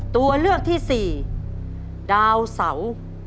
ตัวเลือกที่สี่ดาวเสา